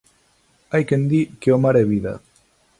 Hai quen di que o mar é vida.